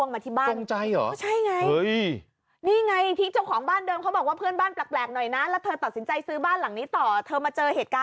มันเกินรั้วมาแล้วพี่เบิร์ช